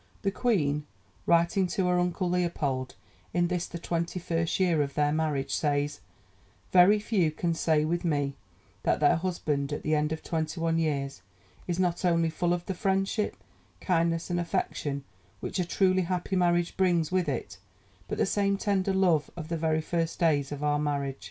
The Queen, writing to her Uncle Leopold in this the twenty first year of their marriage, says: "Very few can say with me that their husband at the end of twenty one years is not only full of the friendship, kindness, and affection which a truly happy marriage brings with it, but the same tender love of the very first days of our marriage!"